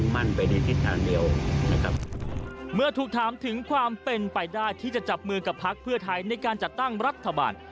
เมื่อถูกถามถึงความเป็นไปได้ที่จะจับมือกับพักเพื่อท้ายในการจัดตั้งรัฐบาล